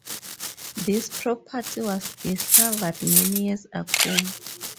This property was discovered many years ago.